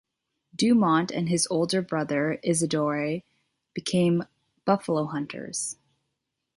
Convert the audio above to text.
Dumont, and his older brother Isidore, became buffalo hunters.